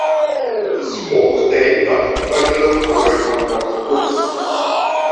Het is hoog tijd dat er duidelijke vooruitgang wordt geboekt.